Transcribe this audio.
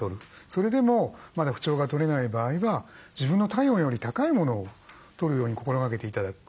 それでもまだ不調がとれない場合は自分の体温より高いものをとるように心がけて頂く。